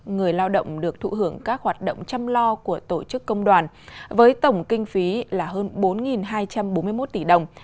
người lao động được thụ hưởng các hoạt động chăm lo của tổ chức công đoàn với tổng kinh phí là hơn bốn hai trăm bốn mươi một tỷ đồng